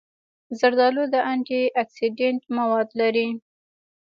زردالو د انټي اکسېډنټ مواد لري.